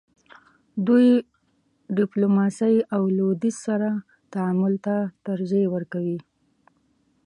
دوی ډیپلوماسۍ او لویدیځ سره تعامل ته ترجیح ورکوي.